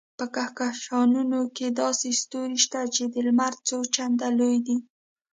په کهکشانونو کې داسې ستوري شته چې د لمر څو چنده لوی دي.